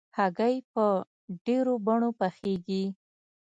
هګۍ په ډېرو بڼو پخېږي.